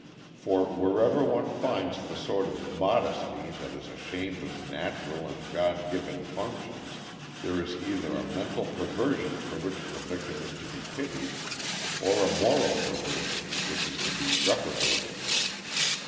For, wherever one finds the sort of "modesty" that is ashamed of natural and God given functions, there is either a mental perversion for which the victim is to be pitied, or a moral perversion which is to be reprobated.